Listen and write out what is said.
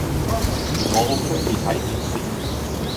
我好鍾意睇電視